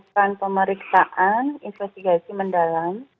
lakukan pemeriksaan investigasi mendalam